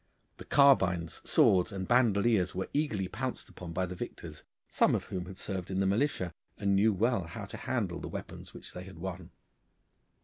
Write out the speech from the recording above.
The carbines, swords, and bandoliers were eagerly pounced upon by the victors, some of whom had served in the militia, and knew well how to handle the weapons which they had won.